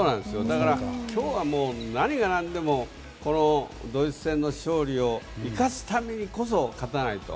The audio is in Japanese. だから今日は何がなんでもこのドイツ戦の勝利を生かすためにこそ勝たないと。